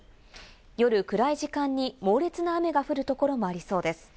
夜、暗い時間に猛烈な雨が降るところもありそうです。